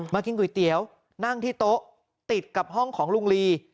กินก๋วยเตี๋ยวนั่งที่โต๊ะติดกับห้องของลุงลี